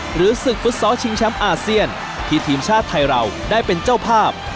ศึกฟุตซอลชิงแชมป์อาเซียนที่ทีมชาติไทยเราได้เป็นเจ้าภาพ